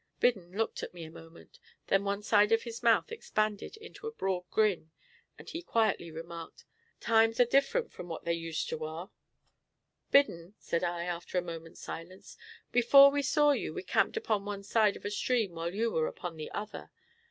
Biddon looked at me a moment; then one side of his mouth expanded into a broad grin, and he quietly remarked: "Times are different from what they used to war." "Biddon," said I, after a moment's silence, "before we saw you we camped upon one side of a stream while you were upon the other.